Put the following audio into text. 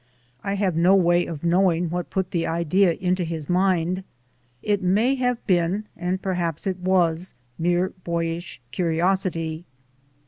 I have no way of knowing what put the idea into his mind ; it may have been, and perhaps it was, mere boyish curiosity.